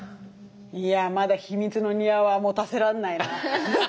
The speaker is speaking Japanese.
いやまだ秘密の庭は持たせらんないな。